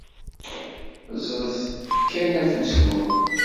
Ẓẓlet kan afus-nwen!